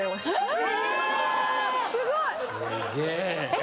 え！